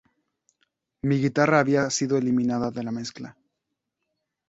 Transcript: Mi guitarra había sido eliminada de la mezcla.